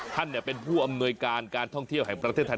ท่านเป็นผู้อำนวยการการท่องเที่ยวแห่งประเทศไทย